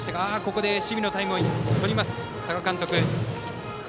ここで守備のタイムを取ります多賀監督。